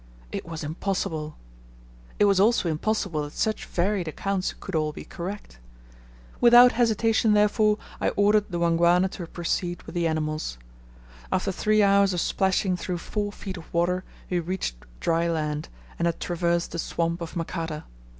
It was impossible; it was also impossible that such varied accounts could all be correct. Without hesitation, therefore, I ordered the Wangwana to proceed with the animals. After three hours of splashing through four feet of water we reached dry land, and had traversed the swamp of Makata.